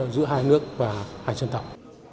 giữa hai nước và hai dân tộc